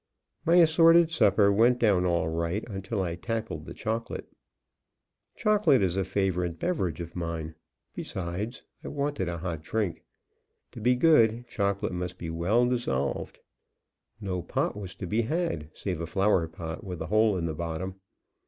My assorted supper went down all right until I tackled the chocolate. Chocolate is a favorite beverage of mine; besides, I wanted a hot drink. To be good, chocolate must be well dissolved. No pot was to be had, save a flower pot with a hole in the bottom.